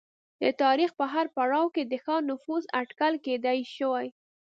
د تاریخ په هر پړاو کې د ښار نفوس اټکل کېدای شوای